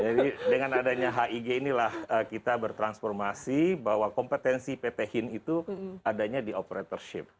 jadi dengan adanya hig inilah kita bertransformasi bahwa kompetensi pt hin itu adanya di operatorship